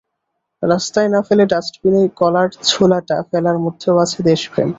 রাস্তায় না ফেলে ডাস্টবিনে কলার ছোলাটা ফেলার মধ্যেও আছে দেশপ্রেম।